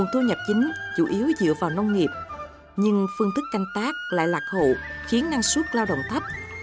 thu nhập chính chủ yếu dựa vào nông nghiệp nhưng phương thức canh tác lại lạc hộ khiến năng suất lao động thấp